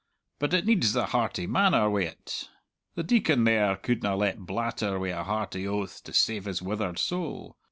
But it needs the hearty manner wi't. The Deacon there couldna let blatter wi' a hearty oath to save his withered sowl.